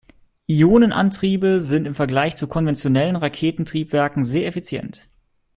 Ionenantriebe sind im Vergleich zu konventionellen Raketentriebwerken sehr effizient.